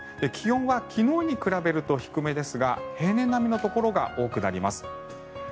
気温は昨日に比べると低めですが平年並みのところが多くなります。